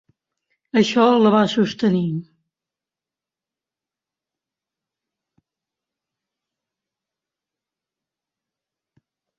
Això la va sostenir.